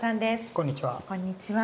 こんにちは。